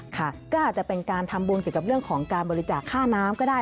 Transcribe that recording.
ค่ะก็อาจจะเป็นการทำบุญเกี่ยวกับเรื่องของการบริจาคค่าน้ำก็ได้